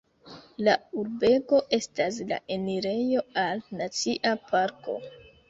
La urbego estas la enirejo al Nacia Parko.